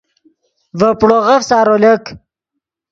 ڤے پڑوغف سارو لک